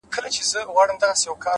علم د ذهن ظرفیت لوړوي!